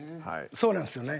そうなんですよね。